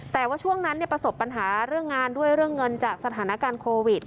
แต่ว่าช่วงนั้นประสบปัญหาเรื่องงานด้วยเรื่องเงินจากสถานการณ์โควิด